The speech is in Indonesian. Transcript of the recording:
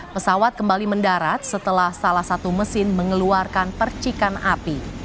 pesawat kembali mendarat setelah salah satu mesin mengeluarkan percikan api